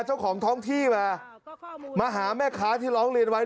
เจ้าของท้องที่มามาหาแม่ค้าที่ร้องเรียนไว้